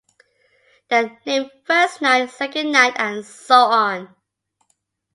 They are named first night, second night and so on.